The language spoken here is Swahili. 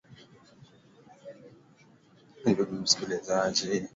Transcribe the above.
eeh ndugu msikilizaji unaendelea kuwa nami edmilo wangi cheli